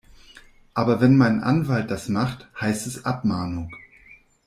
Aber wenn mein Anwalt das macht, heißt es Abmahnung.